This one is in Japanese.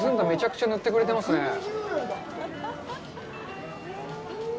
めちゃくちゃ塗ってくれてますね。